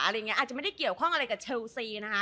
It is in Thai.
อาจจะไม่ได้เกี่ยวข้องอะไรกับเชลซีนะคะ